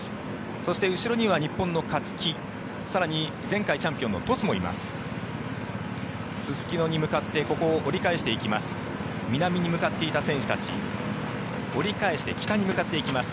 そして後ろには日本の勝木更に、前回チャンピオンのトスもいます。